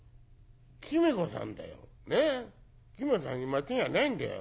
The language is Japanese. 君子さんに間違いないんだよ。